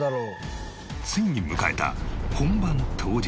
ついに迎えた本番当日。